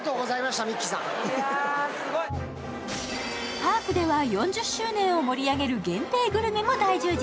パークでは４０周年を盛り上げる限定グルメも大充実。